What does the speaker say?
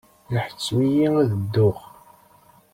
Iḥettem-iyi ad dduɣ.